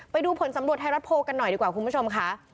ไปดูผลสำรวจไทยรัฐโพลกันหน่อยดีกว่าคุณผู้ชมค่ะ